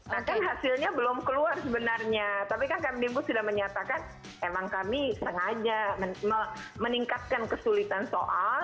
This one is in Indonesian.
nah kan hasilnya belum keluar sebenarnya tapi kan kambing pun sudah menyatakan emang kami sengaja meningkatkan kesulitan soal